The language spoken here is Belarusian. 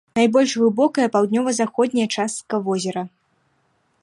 Найбольш глыбокая паўднёва-заходняя частка возера.